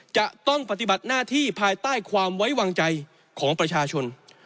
จะต้องปฏิบัติหน้าที่ภายใต้ความไว้วางใจของประชาชน